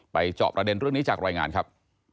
จอบประเด็นเรื่องนี้จากรายงานครับ